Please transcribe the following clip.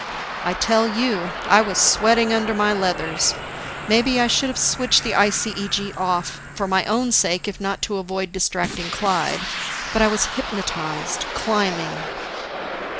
I tell you. I was sweating under my leathers. Maybe I should have switched the ICEG off, for my own sake if not to avoid distracting Clyde. But I was hypnotized, climbing.